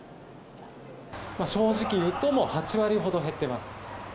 正直言うと８割ほど減ってます。